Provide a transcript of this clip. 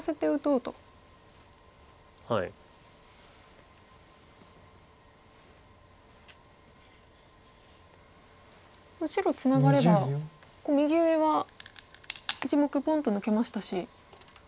もう白ツナがれば右上は１目ポンと抜けましたし。